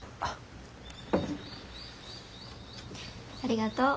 ありがとう。